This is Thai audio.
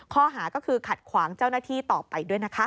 ข้อหาก็คือขัดขวางเจ้าหน้าที่ต่อไปด้วยนะคะ